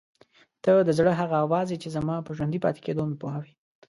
ته د زړه هغه اواز یې چې زما په ژوندي پاتې کېدو مې پوهوي.